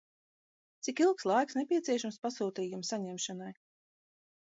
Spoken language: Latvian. Cik ilgs laiks nepieciešams pasūtījuma saņemšanai?